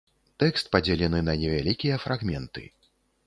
Тэкст падзелены на невялікія фрагменты.